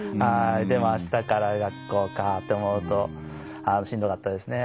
でも明日から学校かと思うとしんどかったですね。